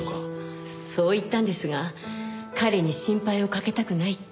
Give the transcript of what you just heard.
そう言ったんですが彼に心配をかけたくないって。